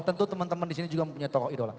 tentu teman teman disini juga mempunyai tokoh idol